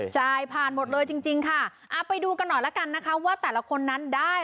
ก็พานหมดเลยจริงจริงค่ะอะไรละกันนะคะว่าแต่ล่าคนนั้นได้